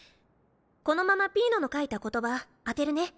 このままピーノの書いた言葉当てるね。